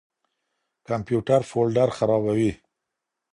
کمپيوټر فولډر خراپوي.